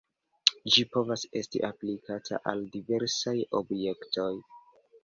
Ĝi povas esti aplikata al diversaj objektoj.